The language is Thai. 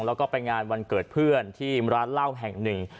แล้วก็ไปงานวันเกิดเพื่อนที่ร้านเหล้าแห่งหนึ่ง